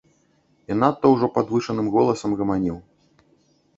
І надта ўжо падвышаным голасам гаманіў.